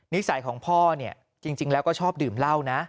นิสัยของพ่อเนี่ยจริงแล้วก็ชอบดื่มเหล้านะ